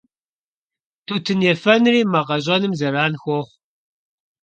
Тутын ефэнри мэ къэщӀэным зэран хуохъу.